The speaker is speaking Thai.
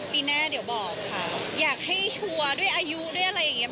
ปีหน้าเดี๋ยวบอกค่ะอยากให้ชัวร์ด้วยอายุด้วยอะไรอย่างเงี้